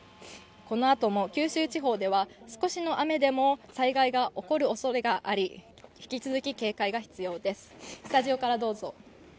このあとも九州地方では少しの雨でも災害が起こるおそれがあり引き続き警戒が必要です。